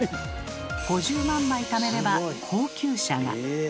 ５０万枚ためれば高級車が。